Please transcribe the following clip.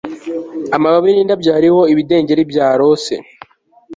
Amababi nindabyo Hariho ibidengeri byarose